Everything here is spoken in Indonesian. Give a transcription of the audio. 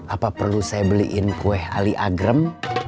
apa perlu saya beliin kue ali agrem